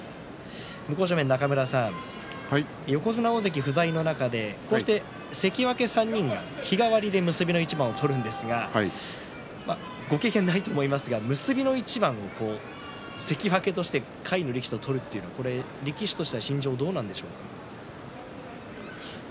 向正面の中村さん横綱、大関不在の中でこうして関脇３人が日替わりで結びの一番を取りますがご経験はないと思いますが結びの一番関脇として下位の力士と取るというのは力士として心情はどうでしょうか？